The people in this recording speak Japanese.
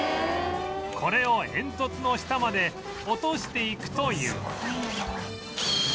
これを煙突の下まで落としていくという